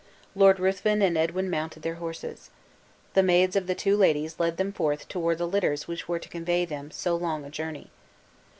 Lord Ruthven and Edwin mounted their horses. The maids of the two ladies led them forth toward the litters which were to convey them so long a journey.